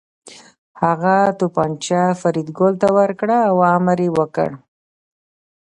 هغه توپانچه فریدګل ته ورکړه او امر یې وکړ